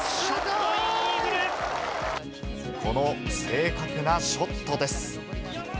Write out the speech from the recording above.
この正確なショットです。